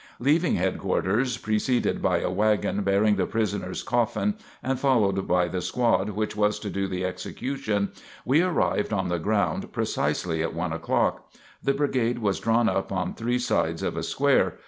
Leaving headquarter preceded by a wagon bearing the prisoner's coffin and followed by the squad which was to do the execution, we arrived on the ground precisely at one o'clock. The brigade was drawn up on three sides of a square.